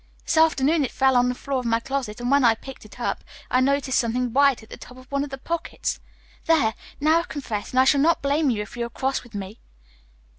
This afternoon it fell on the floor of my closet, and when I picked it up I noticed something white at the top of one of the pockets. There! Now I've confessed and I shall not blame you if you are cross with me.